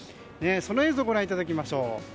その映像をご覧いただきましょう。